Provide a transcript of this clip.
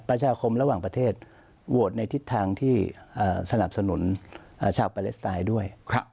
ประชาคมระหว่างประเทศโหวตในทิศทางที่สนับสนุนชาวปาเลสไตน์ด้วย